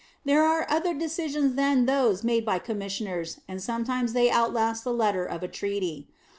There are other decisions than those made by commissioners, and sometimes they outlast the letter of a treaty.